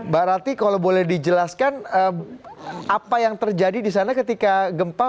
mbak rati kalau boleh dijelaskan apa yang terjadi di sana ketika gempa